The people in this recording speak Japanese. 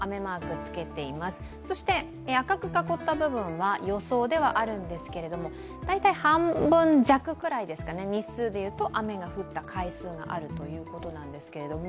赤く囲った部分は予想ではあるんですけども、大体半分弱ぐらいですかね、日数でいうと雨が降った回数があるということなんですが。